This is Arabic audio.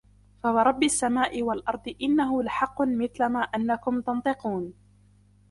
فَوَرَبِّ السَّمَاءِ وَالْأَرْضِ إِنَّهُ لَحَقٌّ مِثْلَ مَا أَنَّكُمْ تَنْطِقُونَ